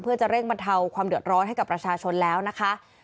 เพื่อจะเร่งบรรเทาความเดือดร้อนให้กับประชาชนแล้วนะคะ